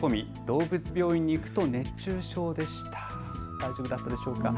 大丈夫だったでしょうか。